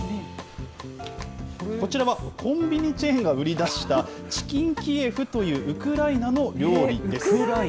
こちらは、コンビニチェーンが売り出したチキンキエフというウクライナの料理です。